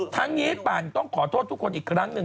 ทั้งนี้ปั่นต้องขอโทษทุกคนอีกครั้งหนึ่ง